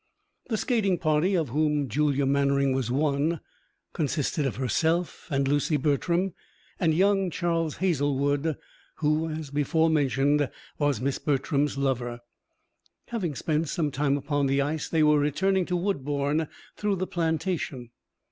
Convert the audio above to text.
The skating party, of whom Julia Mannering was one, consisted of herself and Lucy Bertram, and young Charles Hazlewood, who, as before mentioned, was Miss Bertram's lover. Having spent some time upon the ice, they were returning to Woodbourne through the plantation.